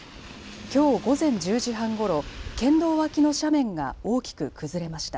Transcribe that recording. きょう午前１０時半ごろ、県道脇の斜面が大きく崩れました。